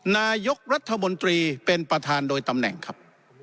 นายกรัฐมนตรีเป็นประธานโดยตำแหน่งครับ